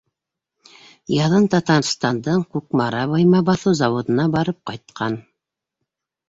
Яҙын Татарстандың Кукмара быйма баҫыу заводына барып ҡайтҡан.